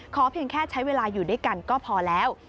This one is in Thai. เพียงแค่ใช้เวลาอยู่ด้วยกันก็พอแล้ว